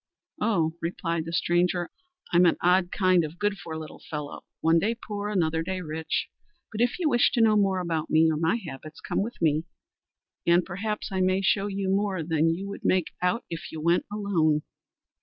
"Oh!" replied the stranger, "I'm an odd kind of good for little fellow, one day poor, another day rich, but if you wish to know more about me or my habits, come with me and perhaps I may show you more than you would make out if you went alone."